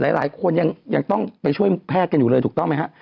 หลายคนยังต้องไปช่วยแพทย์กันอยู่เลยถูกต้องไหมฮะ